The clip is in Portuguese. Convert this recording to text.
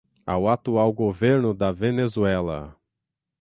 ao atual governo da Venezuela